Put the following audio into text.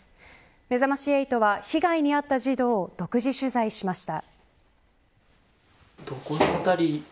めざまし８は被害に遭った児童を独自取材しました。